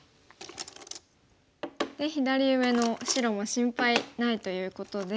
左上の白も心配ないということで。